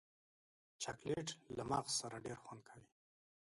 چاکلېټ له مغز سره ډېر خوند کوي.